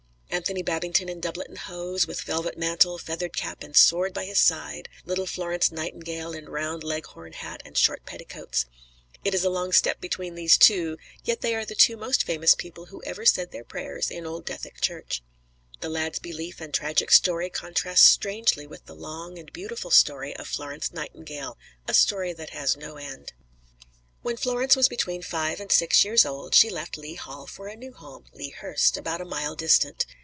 Anthony Babington in doublet and hose, with velvet mantle, feathered cap, and sword by his side; little Florence Nightingale in round Leghorn hat and short petticoats. It is a long step between these two, yet they are the two most famous people who ever said their prayers in old Dethick church. The lad's brief and tragic story contrasts strangely with the long and beautiful story of Florence Nightingale, a story that has no end. When Florence was between five and six years old, she left Lea Hall for a new home, Lea Hurst, about a mile distant.